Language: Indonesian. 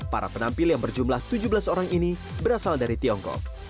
para penampil yang berjumlah tujuh belas orang ini berasal dari tiongkok